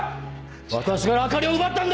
私からあかりを奪ったんだ！